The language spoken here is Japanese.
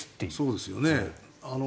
そうですよね。